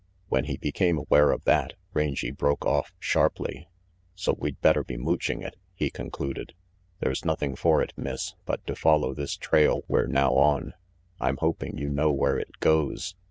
When he became aware of that, Rangy broke off sharply. "So we'd better be mooching it," he concluded. "There's nothing for it, Miss, but to follow this trail we're now on. I'm hoping you know where it goes.